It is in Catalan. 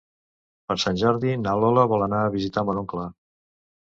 Per Sant Jordi na Lola vol anar a visitar mon oncle.